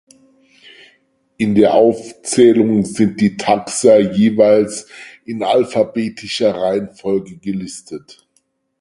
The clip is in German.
In der Aufzählung sind die Taxa jeweils in alphabetischer Reihenfolge gelistet.